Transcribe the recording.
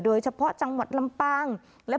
โดยเฉพาะจังหวัดลำปาง